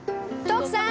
徳さん！